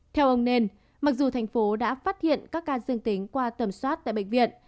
theo ông nên mặc dù tp hcm đã phát hiện các ca dương tính qua tầm soát tại bệnh viện